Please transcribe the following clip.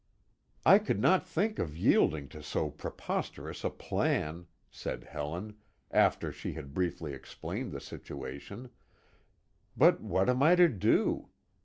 "I could not think of yielding to so preposterous a plan," said Helen, after she had briefly explained the situation, "but what am I to do?